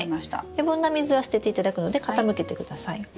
余分な水は捨てていただくので傾けてください。